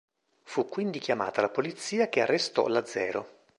Fu quindi chiamata la polizia che arrestò l'azero.